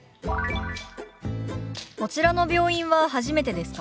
「こちらの病院は初めてですか？」。